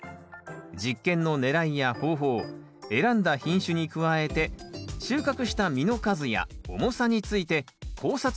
実験のねらいや方法選んだ品種に加えて収穫した実の数や重さについて考察を交えて報告してくれました